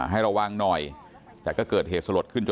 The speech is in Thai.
หาทีมี่แล้ว